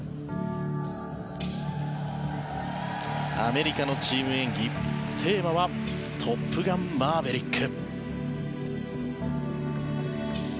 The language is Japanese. アメリカのチーム演技テーマは「トップガンマーヴェリック」。